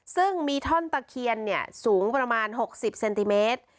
ซึ่งมีท่อนตะเคียนสูงประมาณ๖๐เซนติเมตร